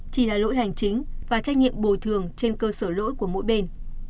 chỉ là lỗi hành chính và trách nhiệm bồi thường trên cơ sở lỗi của mỗi bên